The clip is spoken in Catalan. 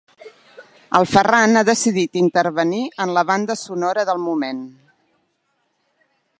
El Ferran ha decidit intervenir en la banda sonora del moment.